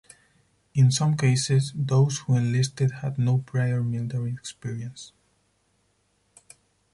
In some cases those who enlisted had no prior military experience.